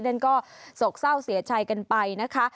เพราะฉะนั้นก็โศกเศร้าเสียชัยกันไปนะคะ